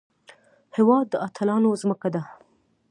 هېواد د اتلانو ځمکه ده